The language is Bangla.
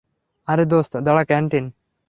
আরে, দোস্ত দাঁড়া, ক্যান্টিন?